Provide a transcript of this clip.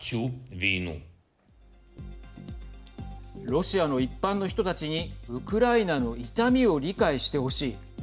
ロシアの一般の人たちにウクライナの痛みを理解してほしい。